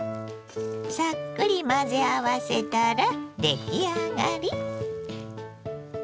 さっくり混ぜ合わせたら出来上がり。